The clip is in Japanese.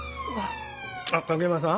あ影山さん。